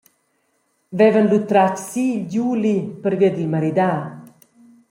Vevan lu tratg si il Giuli pervia dil maridar.